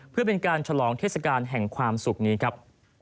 เพื่อเป็นการฉลองเทศกาลแห่งความสุขนี้ครับ